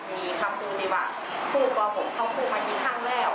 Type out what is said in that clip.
มีคำสูตรดีว่าคู่ก่อผมเข้าคู่มาที่ข้างแล้ว